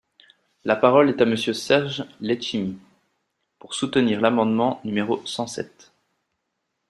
La parole est à Monsieur Serge Letchimy, pour soutenir l’amendement numéro cent sept.